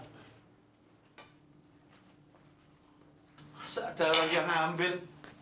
masa ada orang yang ngambil